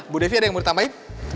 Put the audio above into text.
bu devi ada yang mau ditambahin